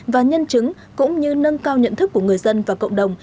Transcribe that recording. và nhân chứng cũng như nâng cao nhận thức của người dân và cộng đồng